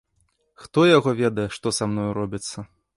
Хто яго ведае, што са мною робіцца.